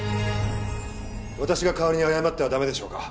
私が代わりに謝っては駄目でしょうか？